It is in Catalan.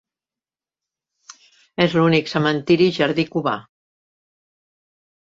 És l'únic cementiri jardí cubà.